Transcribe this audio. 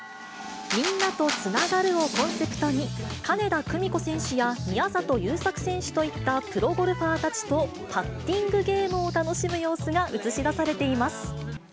みんなとつながるをコンセプトに、金田久美子選手や宮里優作選手といったプロゴルファーたちと、パッティングゲームを楽しむ様子が映し出されています。